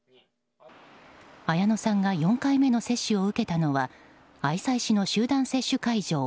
綾乃さんが４回目の接種を受けたのは愛西市の集団接種会場